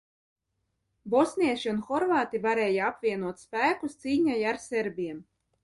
Bosnieši un horvāti varēja apvienot spēkus cīņai ar serbiem.